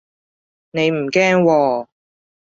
你唔驚喎